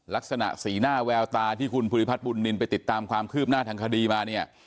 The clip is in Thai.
ลักษณะสีหน้าแววตาที่คุณภูริพัฒนบุญนินไปติดตามความคืบหน้าทางคดีมาเนี่ย